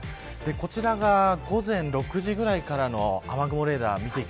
こちらが午前６時くらいからの雨雲レーダーです。